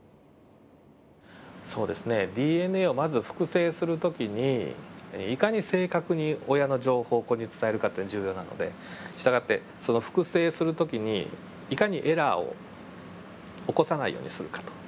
そうですねＤＮＡをまず複製する時にいかに正確に親の情報を子に伝えるかって重要なので従ってその複製する時にいかにエラーを起こさないようにするかと。